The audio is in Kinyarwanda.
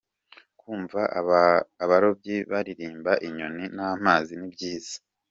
Kumva abarobyi baririmba, inyoni n’amazi ni byiza.